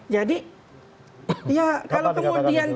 jadi ya kalau kemudian